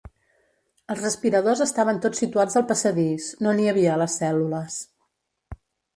Els respiradors estaven tots situats al passadís, no n'hi havia a les cèl·lules.